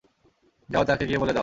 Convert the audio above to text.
যাও তাকে গিয়ে বলে দাও।